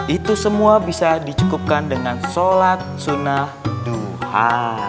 itu semua bisa dicukupkan dengan sholat sunnah duha